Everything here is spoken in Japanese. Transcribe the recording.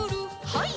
はい。